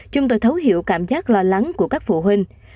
chúng tôi thấu hiểu cảm giác lo lắng của các phụ huynh